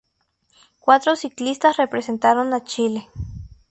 Cuatro ciclistas representaron a Chile.